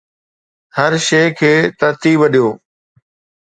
هر شي کي ترتيب ڏيو